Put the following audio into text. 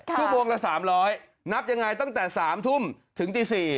ชั่วโมงละ๓๐๐นับยังไงตั้งแต่๓ทุ่มถึงตี๔